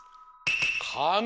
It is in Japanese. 「かみ」。